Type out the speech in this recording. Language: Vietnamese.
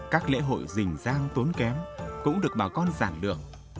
các lễ hội rình giang tốn kém cũng được bà con giảng được